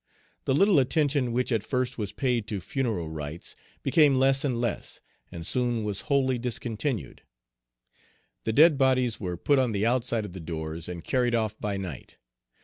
The little attention which at first was paid to funeral rites became less and less, and soon was wholly discontinued. The dead bodies were put on the outside of the doors and carried off by night.